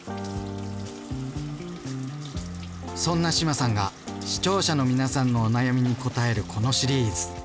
そんな志麻さんが視聴者の皆さんのお悩みに応えるこのシリーズ。